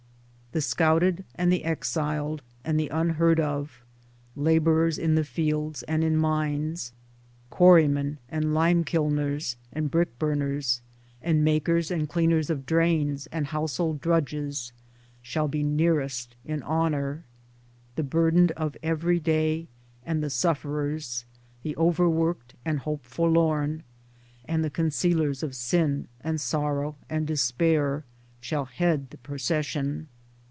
The scouted and the exiled and the unheard of, laborers in the fields and in mines, quarrymen and limekilners and brickburners and makers and cleaners of drains and house hold drudges, shall be nearest in honor : the burdened of every day, and the sufferers, the over worked and hope forlorn, and the concealers of sin and sorrow and despair, shall head the procession.